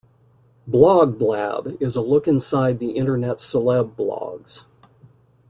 "Blog Blab" is a look inside the internet celeb blogs.